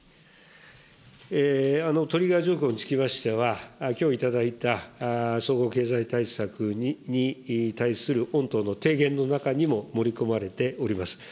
トリガー条項につきましては、きょう頂いた総合経済対策に対する御党の提言の中にも盛り込まれております。